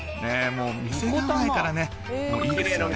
もう店構えからねもういいですよね